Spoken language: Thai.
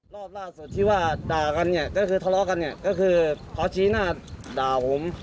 รอบล่าสุดที่ว่าด่ากันเนี่ยก็คือทะเลาะกันเนี่ยก็คือเขาชี้หน้าด่าผม